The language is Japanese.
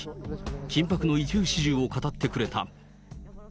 緊迫の一部始終を語ってくれた。